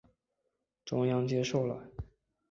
中央接受了。